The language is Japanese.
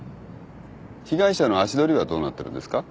被害者の足取りはどうなってるんですか？